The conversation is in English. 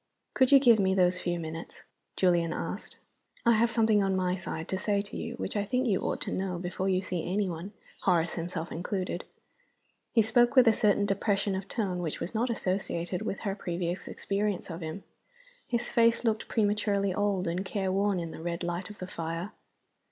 "Could you give me those few minutes?" Julian asked. "I have something on my side to say to you which I think you ought to know before you see any one Horace himself included." He spoke with a certain depression of tone which was not associated with her previous experience of him. His face looked prematurely old and careworn in the red light of the fire.